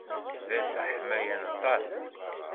D ass aḥmayan aṭas.